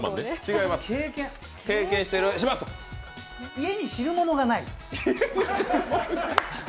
家に汁物がない。